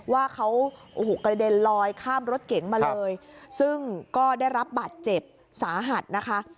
ว่าเขาโอ้โหกระเด็นลอยข้ามรถเก๋งมาเลยซึ่งก็ได้รับบัตรเจ็บสาหัสนะคะ